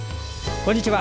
こんにちは。